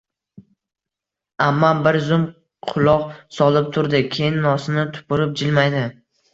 Ammam bir zum quloq solib turdi. Keyin nosini tupurib, jilmaydi.